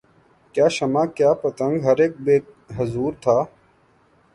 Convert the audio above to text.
کیا شمع کیا پتنگ ہر اک بے حضور تھا